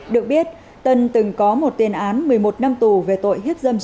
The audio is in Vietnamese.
được biết tân từng có một tiền án một mươi một năm tù về tội